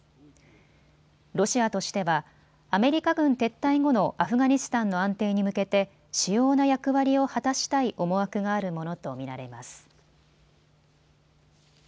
ロシアとしてはアメリカ軍撤退後のアフガニスタンの安定に向けて主要な役割を果たしたい思惑があるものと見られます。